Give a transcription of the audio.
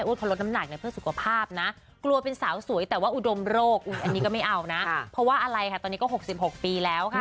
อย่าใส่ชุดเต้าสาวไม่สวยนะจ๊ะ